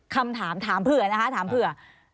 คำถามถามเผื่อนะคะถามเผื่อ